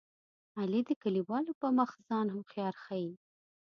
علي د کلیوالو په مخ ځان هوښیار ښيي.